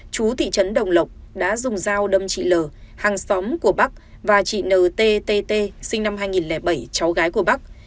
chú thị trấn đồng lộc đã dùng rào đâm chị l hàng xóm của bắc và chị n t t t sinh năm hai nghìn bảy cháu gái của bắc